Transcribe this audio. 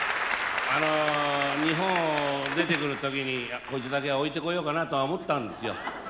日本を出て来る時にこいつだけは置いて来ようかなとは思ったんですよ。